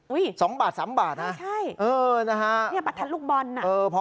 อุ๊ยใช่นี่แอปประทัดลูกบอลนะสองบาทสามบาท